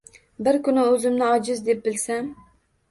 Bir kuni uzimni ojiz deb bilsam